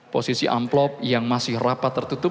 posisi amplop yang masih rapat tertutup